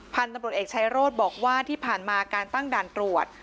พันธบุรตเอกใช้โรศบอกว่าที่ผ่านมาการตั้งด่านตรวจ